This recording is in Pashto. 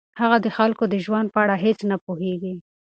هغه د خلکو د ژوند په اړه هیڅ نه پوهیږي.